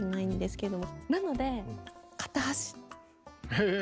へえ。